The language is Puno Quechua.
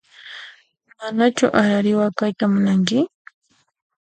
Manachu arariwa kayta munanki?